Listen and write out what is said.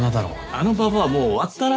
あのババアはもう終わったな。